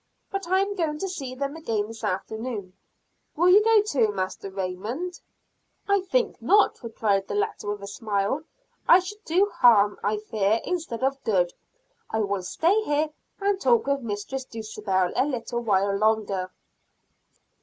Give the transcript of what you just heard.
But I am going to see them again this afternoon; will you go too, Master Raymond?' "I think not," replied the latter with a smile, "I should do harm, I fear, instead of good. I will stay here and talk with Mistress Dulcibel a little while longer."